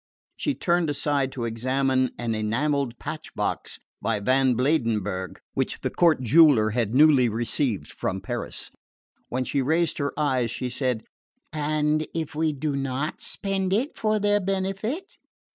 She turned aside to examine an enamelled patch box by Van Blarenberghe which the court jeweller had newly received from Paris. When she raised her eyes she said: "And if we do not spend it for their benefit